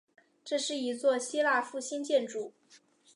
这是一座希腊复兴建筑。